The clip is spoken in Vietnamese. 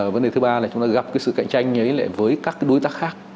vấn đề thứ ba là chúng ta gặp sự cạnh tranh với các đối tác khác